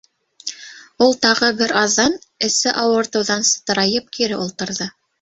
Ул тағы бер аҙҙан, эсе ауыртыуҙан сытырайып, кире ултырҙы.